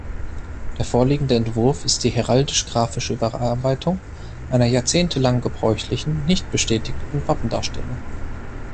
Der vorliegende Entwurf ist die heraldisch-grafische Überarbeitung einer jahrzehntelang gebräuchlichen, nicht bestätigten Wappendarstellung.